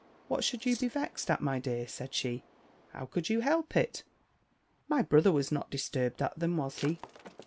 "What should you be vexed at, my dear?" said she: "how could you help it? My brother was not disturbed at them, was he?"